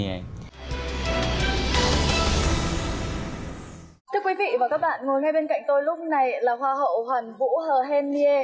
thưa quý vị và các bạn ngồi ngay bên cạnh tôi lúc này là hoa hậu hoàn vũ hờ hèn nie